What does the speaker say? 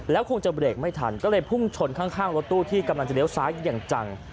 คงจะเบรกไม่ทันก็เลยพุ่งชนข้างรถตู้ที่กำลังจะเลี้ยวซ้ายอย่างจัง